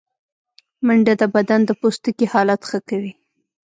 منډه د بدن د پوستکي حالت ښه کوي